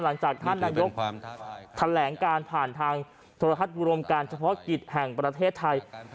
หลังจากท่านนายกแถลงการผ่านทางโทรทัศน์รวมการเฉพาะกิจแห่งประเทศไทย